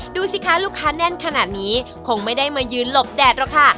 ดูสิคะลูกค้าแน่นขนาดนี้คงไม่ได้มายืนหลบแดดหรอกค่ะ